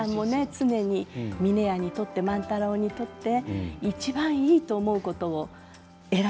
常に峰屋にとって万太郎にとって一番いいと思うことを選んできてると。